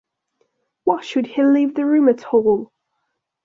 Why should he leave the room at all?